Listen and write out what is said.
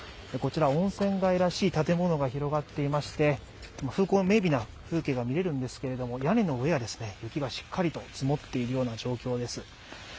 こちら、温泉街らしい建物が広がっていまして風光明媚な風景が見えるんですけれども屋根の上は、雪がしっかりと積もっている状況です。